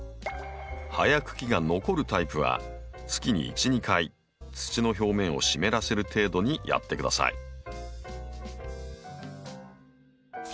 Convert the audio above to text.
葉や茎が残るタイプは月に１２回土の表面を湿らせる程度にやって下さい。